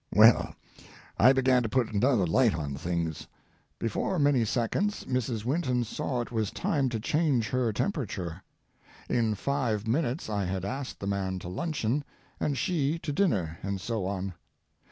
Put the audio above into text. Well, I began to put another light on things. Before many seconds Mrs. Winton saw it was time to change her temperature. In five minutes I had asked the man to luncheon, and she to dinner, and so on.